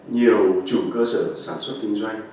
nhiều chủ cơ sở sản xuất kinh doanh